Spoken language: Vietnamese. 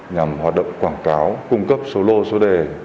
nhằm hoạt động quảng cáo cung cấp số lô số đề